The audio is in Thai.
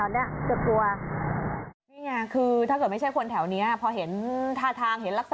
นี่คือถ้าเกิดไม่ใช่คนแถวนี้พอเห็นท่าทางเห็นลักษณะ